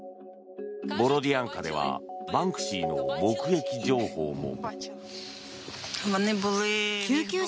ボロディアンカではバンクシーの目撃情報も。